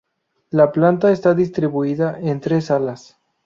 La planta está distribuida en tres salas.